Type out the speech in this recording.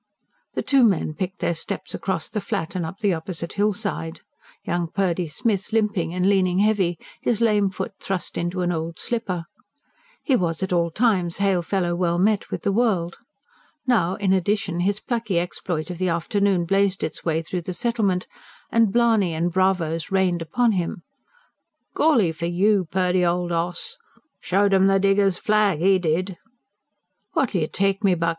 The two men picked their steps across the Flat and up the opposite hillside, young Purdy Smith limping and leaning heavy, his lame foot thrust into an old slipper. He was at all times hail fellow well met with the world. Now, in addition, his plucky exploit of the afternoon blazed its way through the settlement; and blarney and bravos rained upon him. "Golly for you, Purdy, old 'oss!" "Showed 'em the diggers' flag, 'e did!" "What'll you take, me buck?